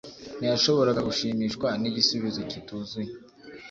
ntiyashoboraga gushimishwa n'igisubizo kituzuye